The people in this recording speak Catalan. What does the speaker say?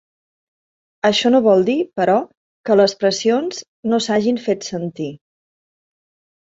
Això no vol dir, però, que les pressions no s’hagin fet sentir.